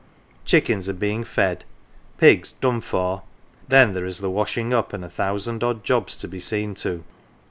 Chickens are being fed, pigs " done for "; then there is the washing up and a thousand odd jobs to be seen to.